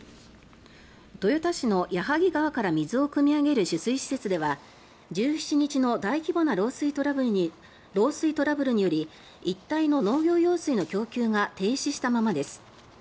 豊田市の矢作川から水をくみ上げる取水施設では１７日の大規模な漏水トラブルにより一帯の農業用水の供給が停止したままです。